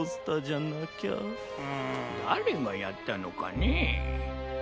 だれがやったのかねえ。